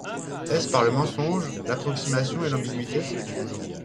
Est-ce par le mensonge, l’approximation et l’ambiguïté?